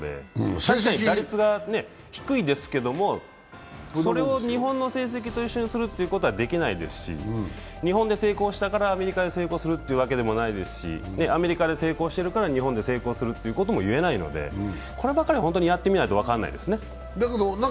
確かに打率は低いですけど、それを日本の成績と一緒にすることはできないですし、日本で成功したからアメリカで成功するというわけでもないですしアメリカで成功してるから日本で成功するということも言えないのでこればかりはやってみないと分からないですね。